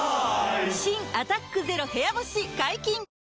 新「アタックＺＥＲＯ部屋干し」解禁‼